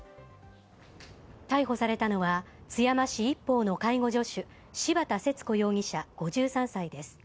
逮捕されたのは津山市一方の介護助手・柴田節子容疑者、５３歳です。